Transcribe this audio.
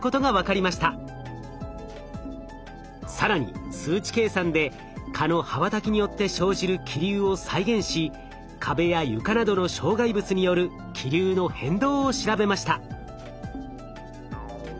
更に数値計算で蚊の羽ばたきによって生じる気流を再現し壁や床などの障害物による気流の変動を調べました。